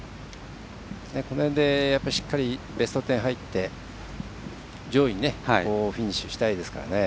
この辺で、しっかりベスト１０入って上位にフィニッシュしたいですからね。